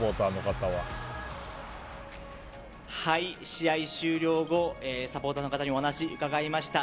試合終了後、サポーターの方にお話伺いました。